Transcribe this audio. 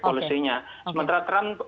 policy nya sementara trump